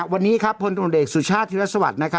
วันนี้พลตรวจเอกสุชาติธิรัฐสวัสดิ์